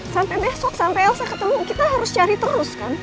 sampai besok sampai elsa ketemu kita harus cari terus kan